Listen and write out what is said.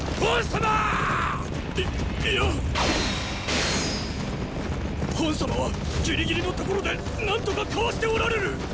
賁様はギリギリのところで何とかかわしておられる！